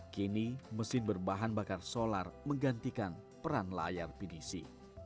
kini mesin berbahan bakar solar menggantikan peran layar pinisi